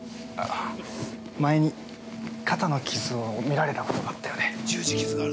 前に肩の傷を見られたことがあったよね。